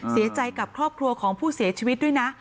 เสียใจกับครอบครัวของผู้เสียชีวิตด้วยนะ